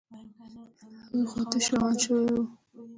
صايبه له هغې خوا تش روان سوى يم.